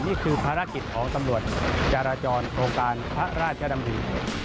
นี่คือภารกิจของตำรวจจาราจรโครงการพระราชดำริ